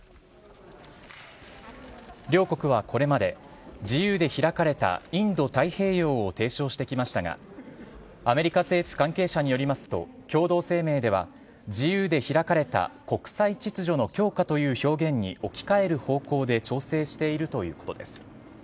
両国はこれまで、自由で開かれたインド太平洋を提唱してきましたが、アメリカ政府関係者によりますと、共同声明では、自由で開かれた国際秩序の強化という表現に置き換える方向で調整しているということです。